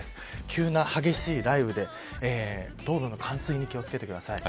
急な激しい雷雨で道路の冠水に気を付けてください。